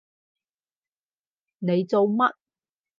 你做乜？